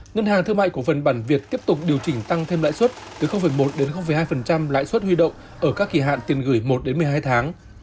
ngân hàng thương mại cổ phần bản việt tiếp tục điều chỉnh tăng thêm lãi suất từ một đến hai lãi suất huy động ở các kỳ hạn tiền gửi một đến một mươi hai tháng